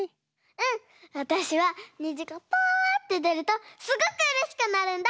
うんわたしはにじがパッてでるとすごくうれしくなるんだ。